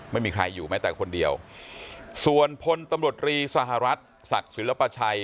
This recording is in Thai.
ไม่มีใครอยู่แม้แต่คนเดียวส่วนพลตำรวจรีสหรัฐศักดิ์ศิลปชัย